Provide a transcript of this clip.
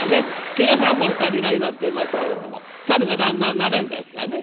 毛が３本足りないなんてえますけれどもサルが旦那になれんですかね」。